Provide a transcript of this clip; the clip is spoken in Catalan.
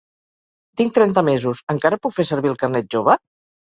Tinc trenta mesos. Encara puc fer servir el carnet jove?